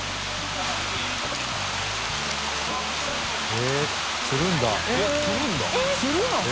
へぇ釣るんだ。